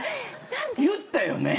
言ったよね？